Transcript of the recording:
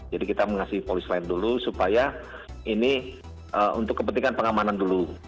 jadi kita mengasih polis lain dulu supaya ini untuk kepentingan pengamanan dulu